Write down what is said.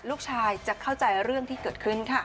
ลูกชายจะเข้าใจเรื่องที่เกิดขึ้นค่ะ